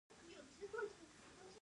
لعل د افغانستان د طبیعي پدیدو یو رنګ دی.